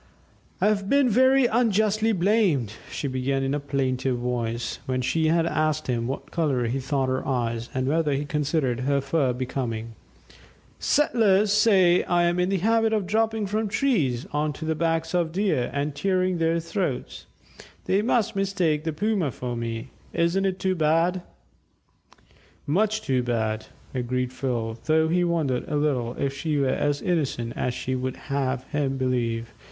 "I've been very unjustly blamed," she began in a plaintive voice, when she had asked him what colour he thought her eyes, and whether he considered her fur becoming. "Settlers say that I am in the habit of dropping from trees on to the backs of Deer, and tearing their throats. They must mistake the Puma for me, isn't it too bad?" "Much too bad," agreed Phil, though he wondered a little if she were as innocent as she would have him believe.